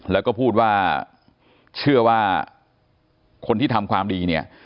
แล้วก็พูดว่าเชื่อว่าคนที่ทำความดีเนี่ย